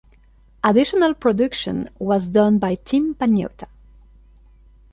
Additional production was done by Tim Pagnotta.